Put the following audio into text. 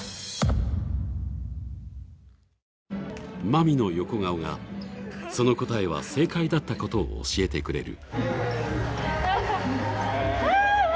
まみの横顔が、その答えは正解だったことを教えてくれる。